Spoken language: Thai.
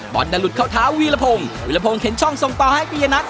บอลน่ะหลุดเข้าเท้าวีรพงศ์วีรพงศ์เห็นช่องส่งต่อให้ปียนัท